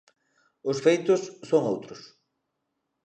Os feitos son outros.